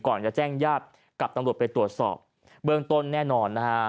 ก่อนจะแจ้งญาติกับตำรวจไปตรวจสอบเบื้องต้นแน่นอนนะฮะ